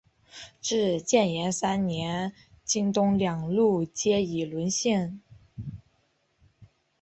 至建炎三年京东两路皆已沦陷。